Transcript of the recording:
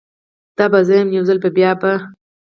دا به زه یم، یوځل بیا به